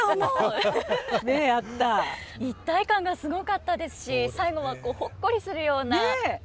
一体感がすごかったですし最後はほっこりするような恋のお話でしたよね。